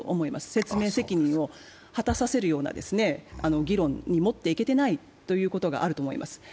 説明責任を果たさせるような議論に持っていけてないということがあると思います。